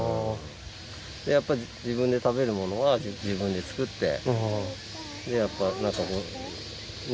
やっぱり自分で食べるものは自分で作ってやっぱなんかね